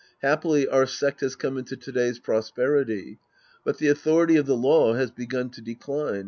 Happily our sect has come into to day's prosperity. But the authority of the law has begun to decline.